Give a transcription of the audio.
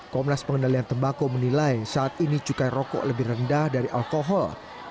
komnas pengendalian tembakau menilai saat ini cukai rokok lebih rendah dari alkohol